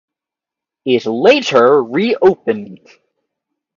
It later reopened.